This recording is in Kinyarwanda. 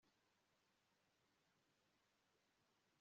aramukunda ariko ntabyo ajya amubwira